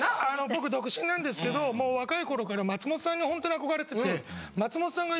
僕独身なんですけどもう若い頃から松本さんにほんとに憧れてて。